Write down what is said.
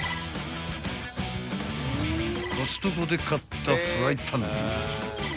［コストコで買ったフライパン］